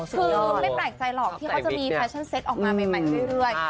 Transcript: คือไม่แปลกใจหรอกที่เขาจะมีแฟชั่นเต็ตออกมาใหม่เรื่อย